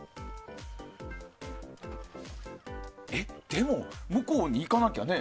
でも、向こうに行かなきゃね。